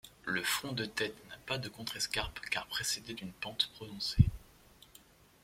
Le front de tête n'a pas de contrescarpe car précédé d'une pente prononcée.